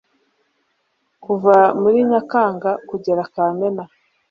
Kuva muri Nyakanga kugera Kamena